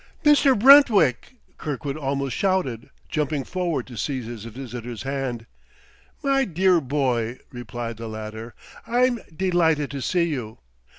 "Mr. Brentwick!" Kirkwood almost shouted, jumping forward to seize his visitor's hand. "My dear boy!" replied the latter. "I'm delighted to see you.